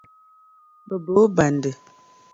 Bɛ ba o bandi.